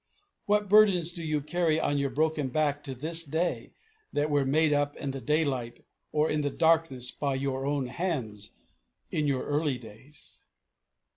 What burdens do you carry on your broken back to this day that were made up in the daylight or in the darkness by your own hands in your early days?